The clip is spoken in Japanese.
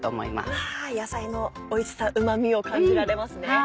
うわ野菜のおいしさうま味を感じられますね。